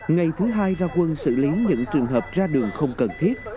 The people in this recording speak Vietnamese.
ngày thứ hai ra quân xử lý những trường hợp ra đường không cần thiết